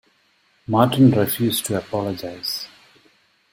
Martin refused to apologize.